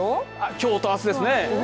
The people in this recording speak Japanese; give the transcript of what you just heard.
今日と明日ですね。